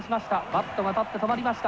バットが立って止まりました。